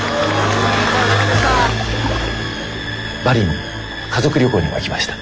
バリに家族旅行にも行きました。